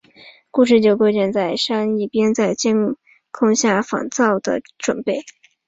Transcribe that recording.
故事就建构在珊一边在监控下进行仿造的准备及和传承派政要的尔虞我诈中。